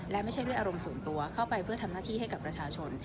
และไม่ใช่ด้วยอารมณ์ส่วนตัวเข้าไปเพื่อทำหน้าที่ให้กับประชาชน